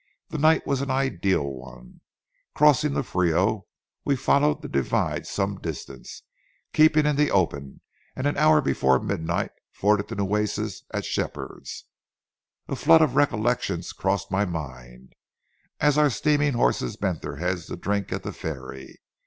The night was an ideal one. Crossing the Frio, we followed the divide some distance, keeping in the open, and an hour before midnight forded the Nueces at Shepherd's. A flood of recollections crossed my mind, as our steaming horses bent their heads to drink at the ferry.